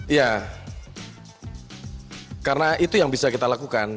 iya karena itu yang bisa kita lakukan